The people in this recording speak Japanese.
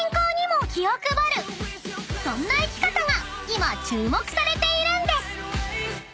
［そんな生き方が今注目されているんです］